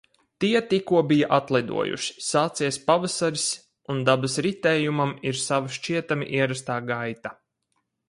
Tie tikko bija atlidojuši. Sācies pavasaris, un dabas ritējumam ir sava šķietami ierastā gaita.